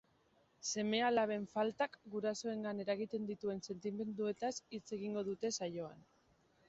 Seme-alaben faltak gurasoengan eragiten dituen sentimenduetaz hitz egingo dute saioan.